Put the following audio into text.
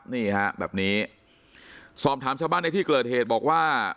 นี่ฮะแบบนี้สอบถามชาวบ้านในที่เกิดเหตุบอกว่า